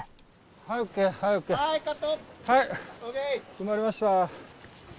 埋まりました。